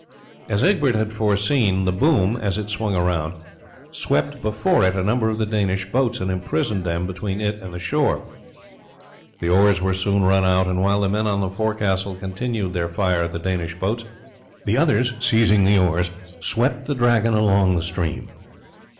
As Egbert had foreseen, the boom as it swung round swept before it a number of the Danish boats, and imprisoned them between it and the shore. The oars were soon run out, and while the men on the forecastle continued their fire at the Danish boats, the others seizing the oars swept the Dragon along the stream.